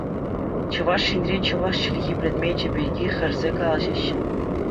Чӑваш Енре чӑваш чӗлхи предмечӗ пирки хӗрсе калаҫаҫҫӗ.